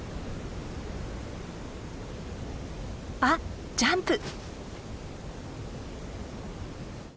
あっジャンプ！